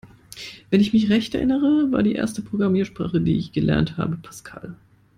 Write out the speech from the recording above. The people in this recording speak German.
Wenn ich mich recht erinnere, war die erste Programmiersprache, die ich gelernt habe, Pascal.